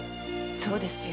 そうですよ。